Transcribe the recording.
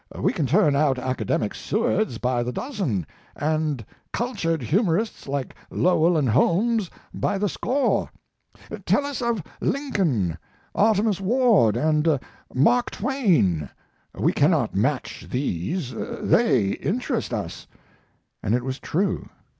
We can turn out academic Sewards by the dozen, and cultured humorists like Lowell and Holmes by the score. Tell us of Lincoln, Artemus Ward, and Mark Twain. We cannot match these; they interest us." And it was true.